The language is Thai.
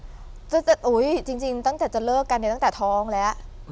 กับทั้งคุณเบ้นไหมจริงจริงตั้งแต่จะเลิกกันเนี่ยตั้งแต่ท้องแล้ว